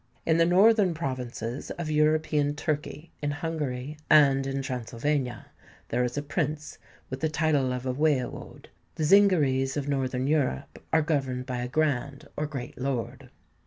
In the northern provinces of European Turkey, in Hungary, and in Transylvania, there is a prince with the title of a Waiewode: the Zingarees of Northern Europe are governed by a Grand, or Great Lord."